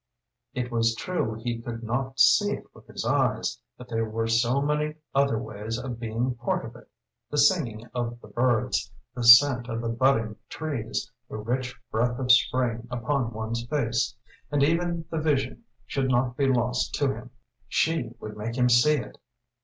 It was true he could not see it with his eyes but there were so many other ways of being part of it: the singing of the birds, the scent of the budding trees, the rich breath of spring upon one's face. And even the vision should not be lost to him. She would make him see it!